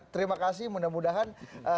terima kasih mudah mudahan